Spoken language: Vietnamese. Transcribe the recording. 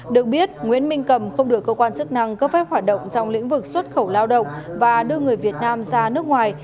được biết nguyễn minh cầm không được cơ quan chức năng cấp phép hoạt động trong lĩnh vực xuất khẩu lao động và đưa người việt nam ra nước ngoài